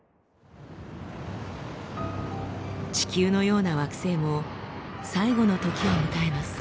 地球のような惑星も最期の時を迎えます。